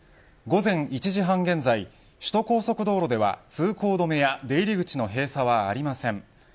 午前１時半現在首都高速道路では通行止めや出入り口の閉鎖はありません。